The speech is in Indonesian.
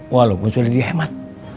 walaupun sudah dihemat